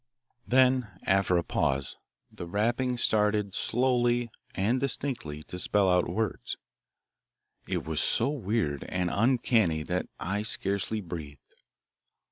Rap! rap! rap! Then, after a pause, the rapping started slowly, and distinctly to spell out words. It was so weird and uncanny that I scarcely breathed.